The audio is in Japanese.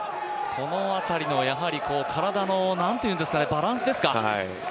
この辺りの体のバランスですか。